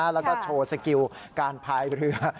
แล้วก็โชว์สกิลการพายเรือ